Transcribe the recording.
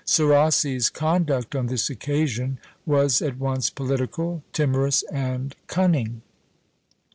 Serassi's conduct on this occasion was at once political, timorous, and cunning.